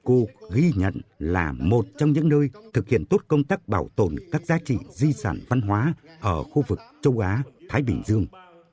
unco ghi nhận là một trong những nơi thực hiện tốt công tác bảo tồn các giá trị di sản văn hóa ở khu vực châu á thái bình dương